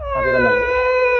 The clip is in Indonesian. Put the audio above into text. tapi tenang gaji